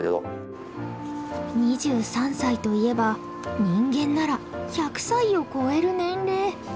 ２３歳といえば人間なら１００歳を超える年齢。